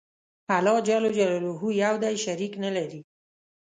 الله ج یو دی شریک نه لری